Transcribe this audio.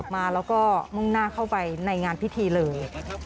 มาแล้วก็มุ่งหน้าเข้าไปในงานพิธีเลย